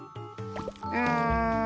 うん。